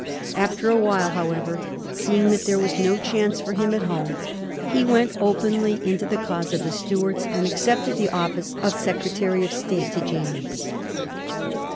After a while, how ever, seeing that there was no chance for him at home, he went openly into the cause of the Stuarts, and accepted the office of Secretary of State to James.